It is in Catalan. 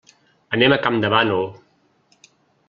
Anem a Campdevànol.